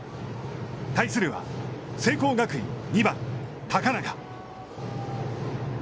対するは、聖光学院、２番高中。